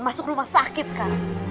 masuk rumah sakit sekarang